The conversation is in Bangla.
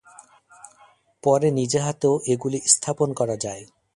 পরে নিজে হাতেও এগুলি স্থাপন করা যায়।